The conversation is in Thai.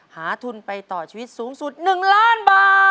ทุนไปต่อชีวิตสูงสุด๑ล้านบาท